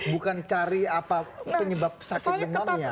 bukan cari apa penyebab sakit demamnya